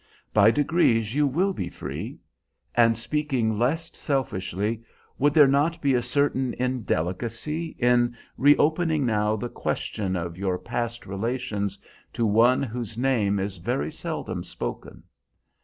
By degrees you will be free. And, speaking less selfishly, would there not be a certain indelicacy in reopening now the question of your past relations to one whose name is very seldom spoken?